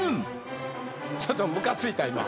ちょっとムカついた今。